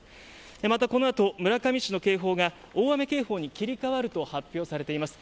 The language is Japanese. またこの後、村上市の警報が大雨警報に切り替わると発表されています。